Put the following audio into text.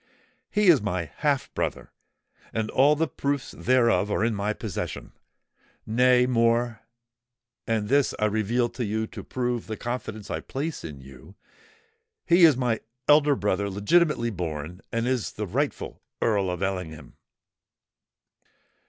He is my half brother—and all the proofs thereof are in my possession. Nay, more—and this I reveal to you to prove the confidence I place in you—he is my elder brother, legitimately born, and is the rightful Earl of Ellingham!"